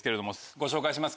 ご紹介します